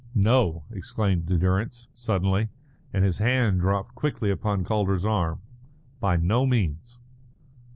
"No," exclaimed Durrance, suddenly, and his hand dropped quickly upon Calder's arm. "By no means."